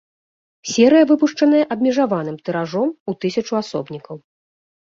Серыя выпушчаная абмежаваным тыражом у тысячу асобнікаў.